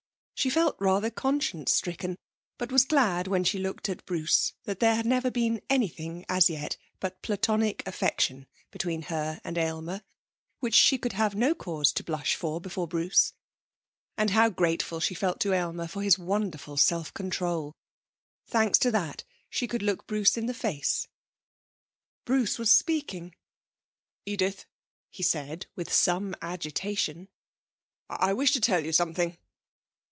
She felt rather conscience stricken, but was glad when she looked at Bruce that there had never been anything as yet but Platonic affection between her and Aylmer, which she could have no cause to blush for before Bruce. And how grateful she felt to Aylmer for his wonderful self control. Thanks to that, she could look Bruce in the face.... Bruce was speaking. 'Edith,' he said with some agitation, 'I wish to tell you something.'